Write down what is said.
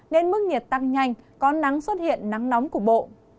nên mức nhiệt tăng nhanh có nắng xuất hiện nắng nóng cục bộ